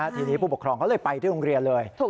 ทีนี้ผู้ปกครองเขาเลยไปที่โรงเรียนเลย